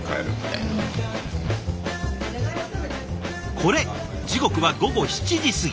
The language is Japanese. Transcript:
これ時刻は午後７時過ぎ。